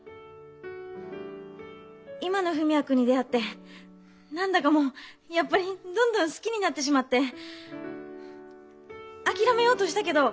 今の文也君に出会って何だかもうやっぱりどんどん好きになってしまってあきらめようとしたけど。